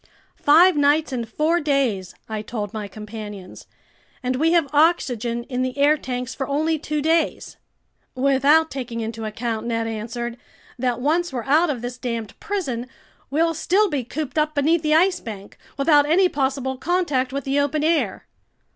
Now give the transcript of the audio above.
"Five nights and four days!" I told my companions. "And we have oxygen in the air tanks for only two days." "Without taking into account," Ned answered, "that once we're out of this damned prison, we'll still be cooped up beneath the Ice Bank, without any possible contact with the open air!"